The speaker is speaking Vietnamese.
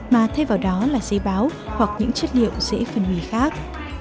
mà thay vào đó là giấy báo hoặc những chất liệu dễ phân hủy khác